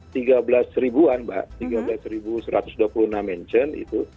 tiga belas ribuan mbak tiga belas satu ratus dua puluh enam mention itu